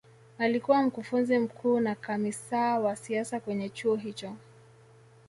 alikuwa mkufunzi mkuu na kamisaa wa siasa kwenye chuo hicho